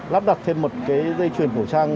lắp đặt thêm một dây chuyển khẩu trang